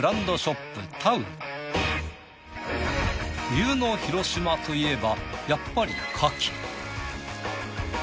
冬の広島といえばやっぱりカキ。